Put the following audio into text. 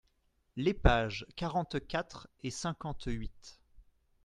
Les pages quarante-quatre et cinquante-huit.